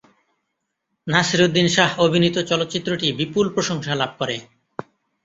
নাসিরুদ্দিন শাহ অভিনীত চলচ্চিত্রটি বিপুল প্রশংসা লাভ করে।